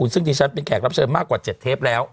ซึ่งดิฉันเป็นแขกรับเชิญมากกว่า๗เทปแล้ว